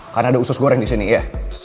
karena ada usus goreng disini ya